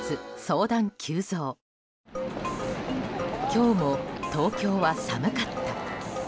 今日も東京は寒かった。